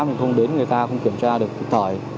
mình không đến người ta không kiểm tra được cục thải